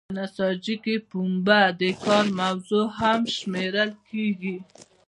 په نساجۍ کې پنبه د کار موضوع هم شمیرل کیږي.